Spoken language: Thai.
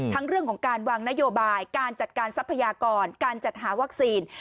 เรื่องของการวางนโยบายการจัดการทรัพยากรการจัดหาวัคซีน